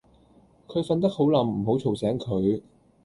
佢瞓得好稔唔好嘈醒佢